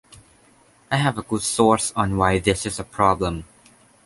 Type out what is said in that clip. I have a good source on why this is a problem.